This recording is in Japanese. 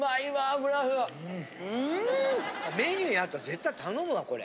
メニューにあったら絶対頼むわこれ。